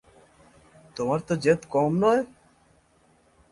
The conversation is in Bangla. তোমার তো জেদ কম নয়!